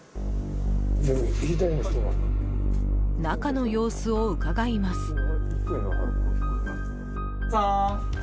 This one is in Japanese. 中の様子をうかがいます。